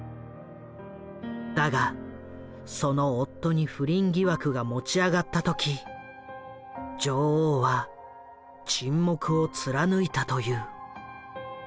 だがその夫に不倫疑惑が持ち上がった時女王は沈黙を貫いたという。